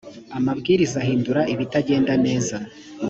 amabwiriza ahindura ibitagenda neza.